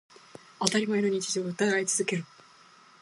当たり前の日常を疑い続けろ。